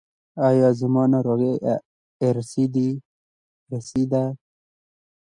ایا زما ناروغي ارثي ده؟